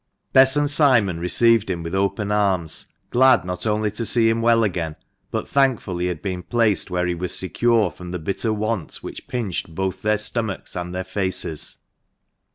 Bess and Simon received him with open arms, glad not only to see him well again, but thankful he had been placed where he was secure from the bitter want which pinched both their stomachs and their faces.